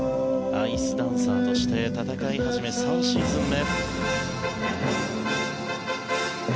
アイスダンサーとして戦い始め３シーズン目。